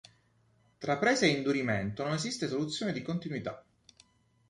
Tra presa e indurimento non esiste soluzione di continuità.